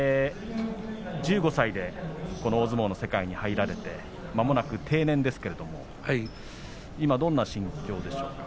１５歳でこの大相撲の世界に入られてまもなく定年ですけれど今どのような心境ですか？